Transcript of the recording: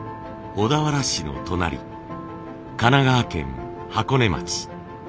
小田原市の隣神奈川県箱根町。